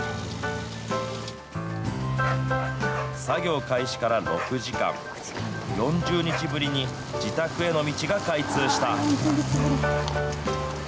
作業開始から６時間、４０日ぶりに自宅への道が開通した。